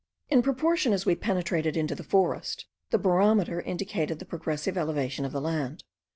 In proportion as we penetrated into the forest, the barometer indicated the progressive elevation of the land.